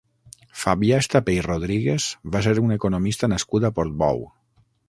Fabià Estapé i Rodríguez va ser un economista nascut a Portbou.